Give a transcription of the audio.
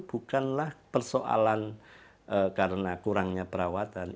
bukanlah persoalan karena kurangnya perawatan